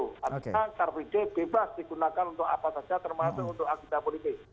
karena karakteristik bebas digunakan untuk apa saja termasuk untuk agita politik